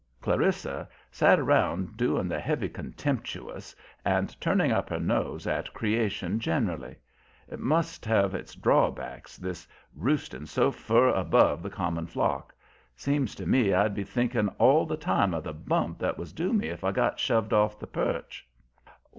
Clarissa set around doing the heavy contemptuous and turning up her nose at creation generally. It must have its drawbacks, this roosting so fur above the common flock; seems to me I'd be thinking all the time of the bump that was due me if I got shoved off the perch.